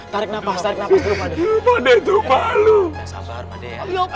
tarik nafas nafas dulu pade